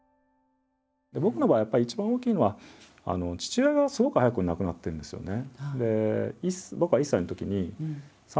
僕の場合はやっぱり一番大きいのは父親がすごく早くに亡くなってるんですよね。